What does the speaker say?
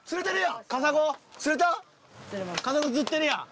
カサゴ釣ってるやん！